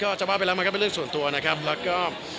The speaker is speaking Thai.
จะว่าไปแล้วมันก็เป็นเรื่องส่วนตัวนะครับแล้วก็